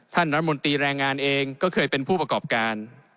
ท่านรัฐมนตรีแรงงานเองก็เคยเป็นผู้ประกอบการ